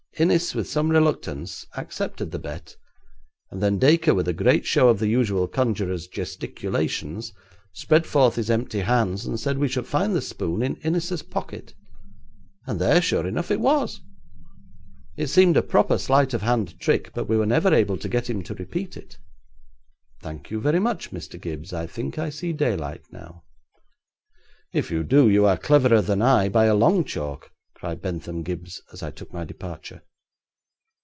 Innis, with some reluctance, accepted the bet, and then Dacre, with a great show of the usual conjurer's gesticulations, spread forth his empty hands, and said we should find the spoon in Innis's pocket, and there, sure enough, it was. It seemed a proper sleight of hand trick, but we were never able to get him to repeat it.' 'Thank you very much, Mr. Gibbes; I think I see daylight now.' 'If you do you are cleverer than I by a long chalk,' cried Bentham Gibbes as I took my departure.